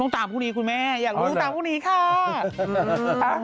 ต้องตามพรุ่งนี้คุณแม่อยากรู้ตามพรุ่งนี้ค่ะ